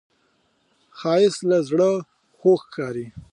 ښایست له زړه خوږ ښکاري